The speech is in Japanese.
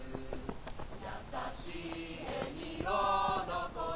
優しい笑みを残し